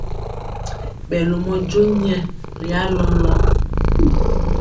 Ɓɛ lomɔ jon nyɛ ri alɔlɔŋ.